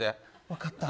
分かった。